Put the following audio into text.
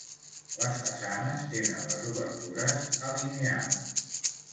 Les façanes tenen les obertures alineades.